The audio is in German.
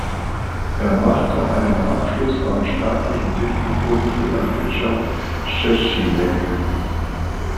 Er machte einen Abschluss am Staatlichen Technikum für Landwirtschaft in Szczecinek.